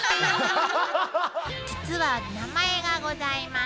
実は名前がございます。